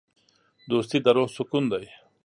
دوستي د روح سکون دی.